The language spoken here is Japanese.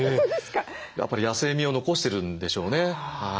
やっぱり野性味を残してるんでしょうね。